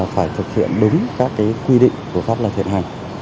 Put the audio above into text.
phải thực hiện đúng các cái quy định của pháp là thiện hành